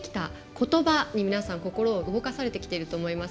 ことばに皆さん心を動かされてきていると思います。